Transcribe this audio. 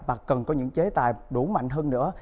và cần có những chế tài đủ mạnh hơn nữa